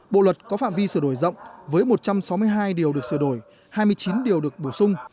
bộ luật có phạm vi sửa đổi rộng với một trăm sáu mươi hai điều được sửa đổi hai mươi chín điều được bổ sung